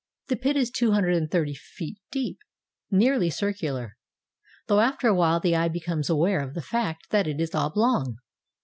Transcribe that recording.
The pit is 230 feet deep, nearly circular, though after a while the eye becomes aware of the fact that it is oblong.